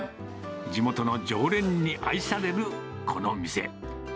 地元の常連に愛されるこの店。